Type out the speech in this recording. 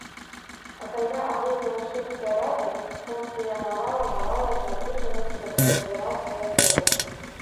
Акрамя агульнай мужчынскай рады функцыянавала малая з набліжаных да правадыра сваякоў.